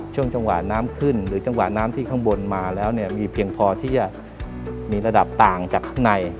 ช่วงจังหวะน้ำขึ้นหรือจังหวะน้ำที่ข้างบนมาแล้วเนี่ยมีเพียงพอที่จะมีระดับต่างจากข้างใน